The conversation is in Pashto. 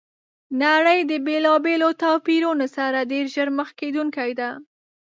نړۍ د بېلابېلو توپیرونو سره ډېر ژر مخ کېدونکي ده!